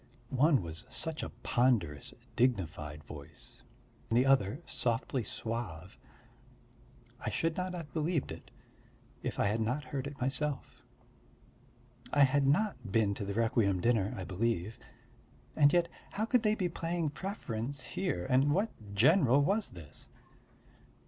One was such a ponderous, dignified voice, the other softly suave; I should not have believed it if I had not heard it myself. I had not been to the requiem dinner, I believe. And yet how could they be playing preference here and what general was this?